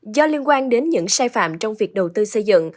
do liên quan đến những sai phạm trong việc đầu tư xây dựng